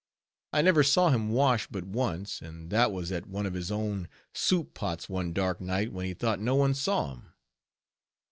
I never saw him wash but once, and that was at one of his own soup pots one dark night when he thought no one saw him.